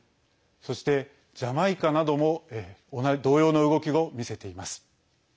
そして、ジャマイカなども同様の動きを見せています。